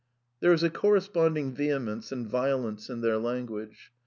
There is a corresponding vehemence and violence in their language.